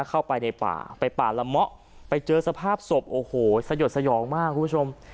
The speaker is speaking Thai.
เข้าไปในป่าไปป่าละเมาะไปเจอสภาพศพโอ้โหสยดสยองมากคุณผู้ชม